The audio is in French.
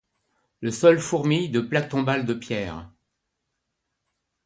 Le sol fourmille de plaques tombales de pierre.